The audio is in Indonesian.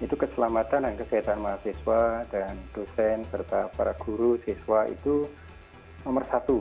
itu keselamatan dan kesehatan mahasiswa dan dosen serta para guru siswa itu nomor satu